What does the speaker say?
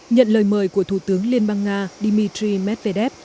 nhận lời mời của thủ tướng liên bang nga dmitry medvedev